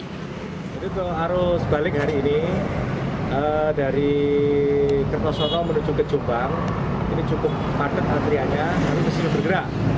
jadi kalau arus balik hari ini dari ketosono menuju ke jombang ini cukup parkir antriannya harus ke sini bergerak